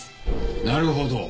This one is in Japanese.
なるほど。